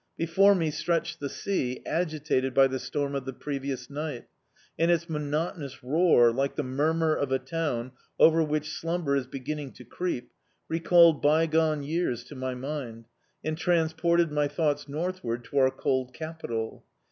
Before me stretched the sea, agitated by the storm of the previous night, and its monotonous roar, like the murmur of a town over which slumber is beginning to creep, recalled bygone years to my mind, and transported my thoughts northward to our cold Capital.